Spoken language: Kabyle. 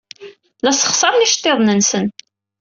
La ssexṣaren iceḍḍiḍen-nsen.